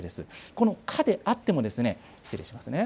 この可であっても、失礼しますね。